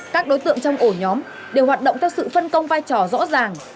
các đối tượng trong ổ nhóm đều hoạt động theo sự phân công vai trò rõ ràng